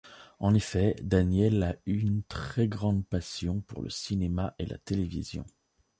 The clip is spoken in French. En effet Danielle a une très grande passion pour le cinéma et la télévision.